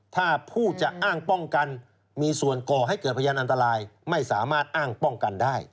ถ้าผู้จะอ้างป้องกันมีส่วนก่อให้เกิดพยานอันตรายไม่สามารถอ้างป้องกันได้